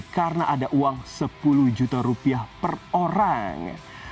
karena ada uang rp sepuluh juta per orang